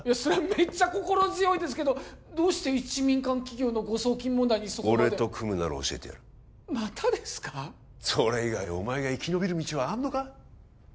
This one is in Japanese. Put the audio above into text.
めっちゃ心強いですけどどうして一民間企業の誤送金問題にそこまで俺と組むなら教えてやるまたですかそれ以外にお前が生き延びる道はあんのか？